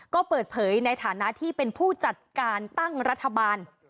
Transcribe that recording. ก็เปิดเผยในฐานะที่เป็นผู้จัดการตั้งรัฐบาล